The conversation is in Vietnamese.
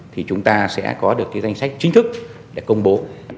thì chúng ta sẽ có được cái danh sách chính thức để công bố